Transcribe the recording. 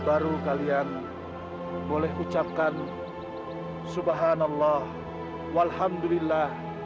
baru kalian boleh ucapkan subhanallah alhamdulillah